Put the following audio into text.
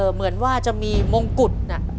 เหมือนว่าจะมีมงกุฎ